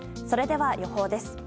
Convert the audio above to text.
それでは予報です。